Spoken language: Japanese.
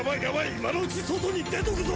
今のうち外に出とくぞ！